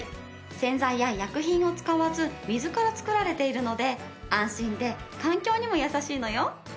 洗剤や薬品を使わず水から作られているので安心で環境にも優しいのよ。